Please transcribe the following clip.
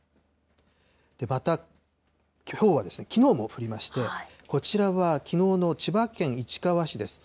また、ひょうはきのうも降りまして、こちらは、きのうの千葉県市川市です。